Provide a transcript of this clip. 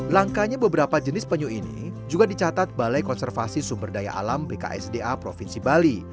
langkanya beberapa jenis penyu ini juga dicatat balai konservasi sumber daya alam pksda provinsi bali